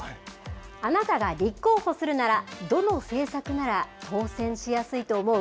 あなたが立候補するなら、どの政策なら当選しやすいと思う？